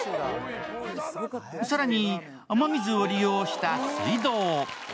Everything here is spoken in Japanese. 更に雨水を利用した水道。